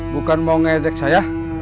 bukan mau ngedek saya